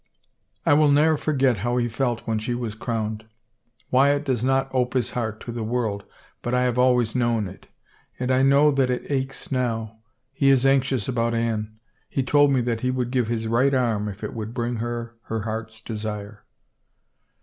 I will ne'er forget how he felt when she was crowned. Wyatt does not ope his heart to the world, but I have always known it. And I know that it aches now. He is anxious about Anne. He told me that he would give his right arm if it would bring her her heart's desire."